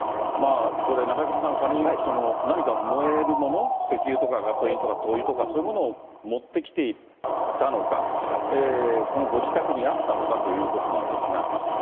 これ、中島さん、仮に何か燃えるもの、石油とかガソリンとか灯油とか、そういうものを持ってきていたのか、このご自宅にあったのかということなんですが。